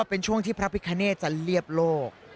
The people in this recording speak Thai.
เป็นช่วงที่พระพิคเนตจะเรียบโลก